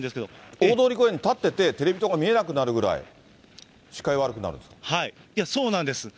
大通公園に立ってて、テレビ塔が見えなくなるぐらい視界が悪そうなんです。